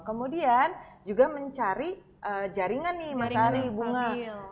kemudian juga mencari jaringan nih mas ari bumi